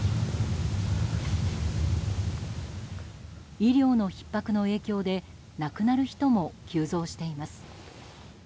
医療のひっ迫の影響で亡くなる人も急増しています。